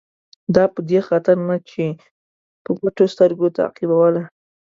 دا په دې خاطر نه چې په پټو سترګو تعقیبوله.